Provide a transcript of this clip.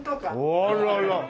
あらら！